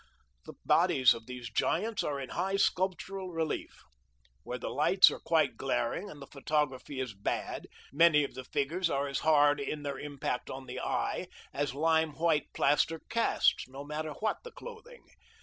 The bodies of these giants are in high sculptural relief. Where the lights are quite glaring and the photography is bad, many of the figures are as hard in their impact on the eye as lime white plaster casts, no matter what the clothing.